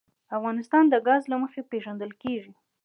افغانستان د ګاز له مخې پېژندل کېږي.